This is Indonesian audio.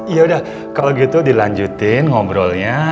yaudah kalau gitu dilanjutin ngobrolnya